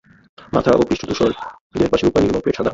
মাথা ও পৃষ্ঠ ধূসর, দেহের পাশে রুপালি এবং পেট সাদা।